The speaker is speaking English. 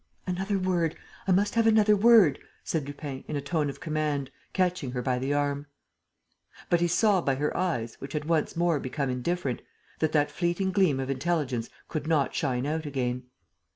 "Another word! I must have another word!" said Lupin, in a tone of command, catching her by the arm. But he saw by her eyes, which had once more become indifferent, that that fleeting gleam of intelligence could not shine out again.